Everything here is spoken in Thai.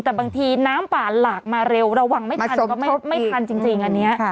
แต่บางทีน้ำป่าหลากมาเร็วระวังไม่ทันก็ไม่ทันจริงอันนี้